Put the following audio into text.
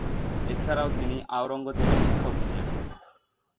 এছাড়াও, তিনি আওরঙ্গজেবের শিক্ষক ছিলেন।